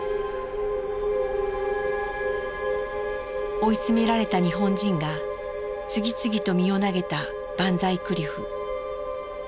追い詰められた日本人が次々と身を投げたバンザイクリフ。